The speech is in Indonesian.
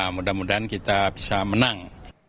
mudah mudahan kita bisa menang